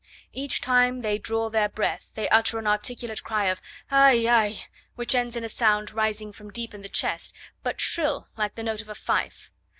Each time they draw their breath, they utter an articulate cry of "ay ay," which ends in a sound rising from deep in the chest, but shrill like the note of a fife.